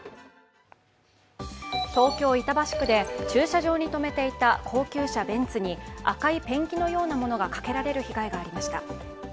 東京・板橋区で、駐車場に止められていた高級車ベンツに赤いペンキのようなものがかけられる被害がありました。